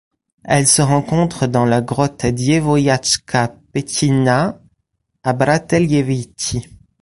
Elle se rencontre dans la grotte Djevojačka Pećina à Brateljevići.